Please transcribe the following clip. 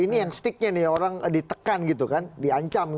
ini yang sticknya nih orang ditekan gitu kan diancam